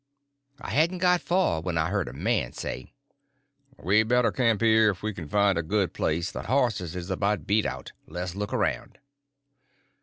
I hadn't got far when I hear a man say: "We better camp here if we can find a good place; the horses is about beat out. Let's look around."